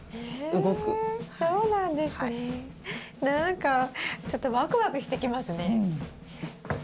何かちょっとワクワクしてきますね。